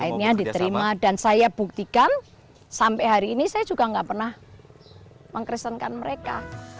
akhirnya diterima dan saya buktikan sampai hari ini saya juga nggak pernah mengkristenkan mereka